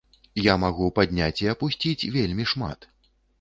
Я магу падняць і апусціць вельмі шмат.